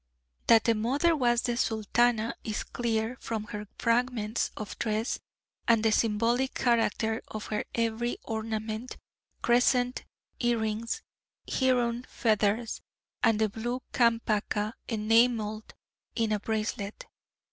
That the mother was the Sultana is clear from her fragments of dress, and the symbolic character of her every ornament, crescent earrings, heron feather, and the blue campaca enamelled in a bracelet.